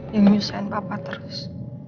yang menyusahkan papa terus